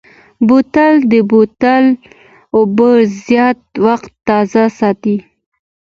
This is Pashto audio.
بوتل د بوتل اوبه زیات وخت تازه ساتي.